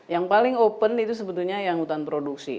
yang paling open itu sebetulnya yang hutan produksi